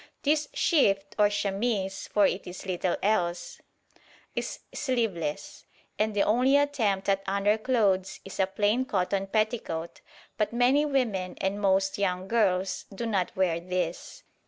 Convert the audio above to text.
This shift or chemise for it is little else is sleeveless; and the only attempt at underclothes is a plain cotton petticoat; but many women and most young girls do not wear this.